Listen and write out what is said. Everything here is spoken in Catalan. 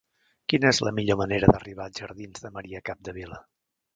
Quina és la millor manera d'arribar als jardins de Maria Capdevila?